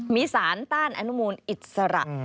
มีสารต้านอนุมูลอิสระ